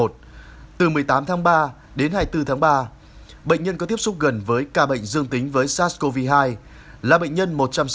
từ một mươi tám tháng ba đến hai mươi bốn tháng ba bệnh nhân có tiếp xúc gần với ca bệnh dương tính với sars cov hai là bệnh nhân một trăm sáu mươi ba